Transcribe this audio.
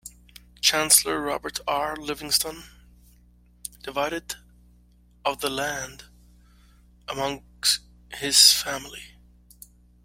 Chancellor Robert R. Livingston divided of the land among his family.